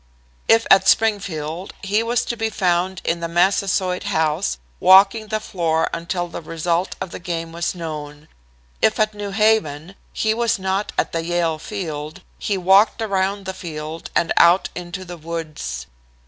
"If at Springfield, he was to be found in the Massasoit House, walking the floor until the result of the game was known. If at New Haven, he was not at the Yale Field. He walked around the field and out into the woods.